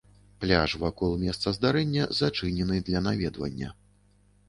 Пляж вакол месца здарэння зачынены для наведвання.